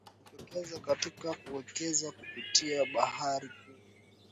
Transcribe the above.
kujitokeza katika kuwekeza kupitia bahari kuu